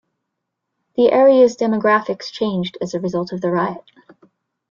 The area's demographics changed as a result of the riot.